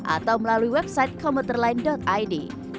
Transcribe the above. atau melalui website komuterline id